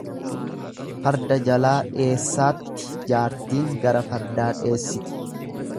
Farda jalaa dheessaatti jaartiin gara fardaa dheessiti.